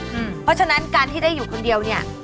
เพราะฉะนั้นการที่ได้อยู่คนเดียวเนี่ย